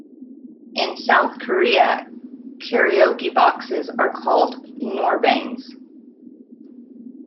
In South Korea karaoke boxes are called "norebangs".